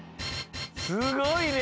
すごいね！